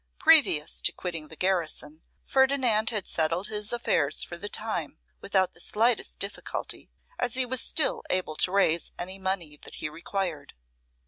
Previous to quitting the garrison, Ferdinand had settled his affairs for the time without the slightest difficulty, as he was still able to raise any money that he required.